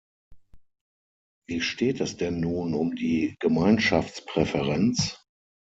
Wie steht es denn nun um die Gemeinschaftspräferenz?